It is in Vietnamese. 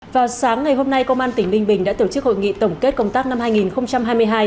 vào sáng ngày hôm nay công an tỉnh ninh bình đã tổ chức hội nghị tổng kết công tác năm hai nghìn hai mươi hai